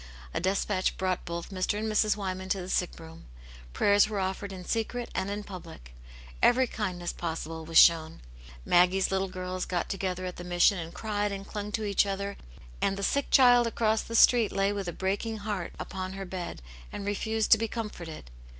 A despatch brought both Mr. and Mrs. Wyman to the sick room, prayers were offered in secret and in public, every kindness possible was shown, Maggie's little girls got together at the Mission and cried and clung to each other, and the sick child across the street lay with a breaking heart upon her bed and refused to be comforted.